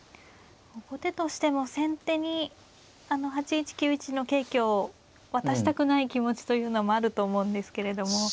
後手としても先手に８一９一の桂香を渡したくない気持ちというのもあると思うんですけれども。